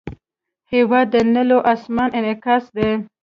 هېواد د نیلو آسمان انعکاس دی.